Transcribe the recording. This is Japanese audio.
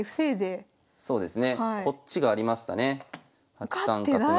８三角成。